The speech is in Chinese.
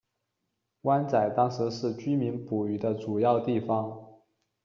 湾仔当时是居民捕鱼的主要地方。